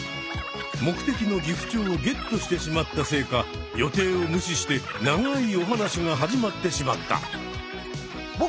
目的のギフチョウをゲットしてしまったせいか予定を無視して長いお話が始まってしまった。